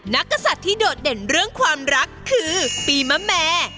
กษัตริย์ที่โดดเด่นเรื่องความรักคือปีมะแม่